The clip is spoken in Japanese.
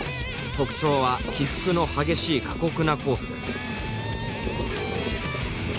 特徴は起伏の激しい過酷なコースです。